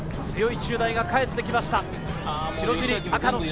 強い中大が帰ってきました。